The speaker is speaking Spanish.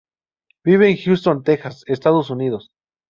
Vive en Houston, Texas, Estados Unidos.